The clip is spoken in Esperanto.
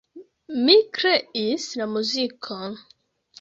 Mi kreis la muzikon.